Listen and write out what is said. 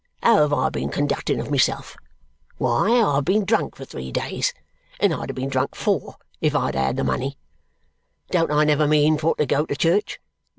How have I been conducting of myself? Why, I've been drunk for three days; and I'da been drunk four if I'da had the money. Don't I never mean for to go to church?